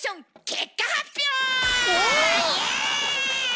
結果発表。